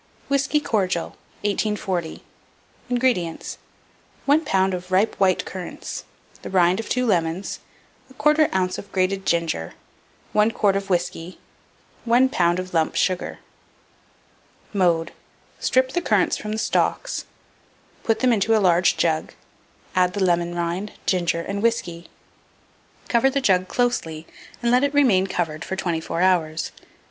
WHISKEY CORDIAL. 1840. INGREDIENTS. 1 lb. of ripe white currants, the rind of 2 lemons, 1/4 oz. of grated ginger, 1 quart of whiskey, 1 lb. of lump sugar. Mode. Strip the currants from the stalks; put them into a large jug; add the lemon rind, ginger, and whiskey; cover the jug closely, and let it remain covered for 24 hours.